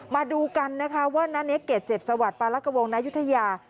มาดูกันนะคะว่านาเนเกตเสพสวัสดิ์ปรากวงนายุทยา